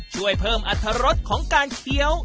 ช่วยเพิ่มอัตรรสของการเคี้ยว